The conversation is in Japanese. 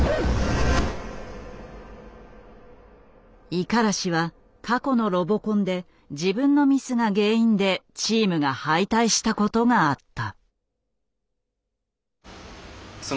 五十嵐は過去のロボコンで自分のミスが原因でチームが敗退したことがあった。